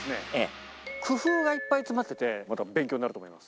工夫がいっぱい詰まってて、勉強になると思います。